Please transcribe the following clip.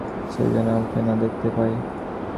সে যেন আমাকে না দেখতে পায়।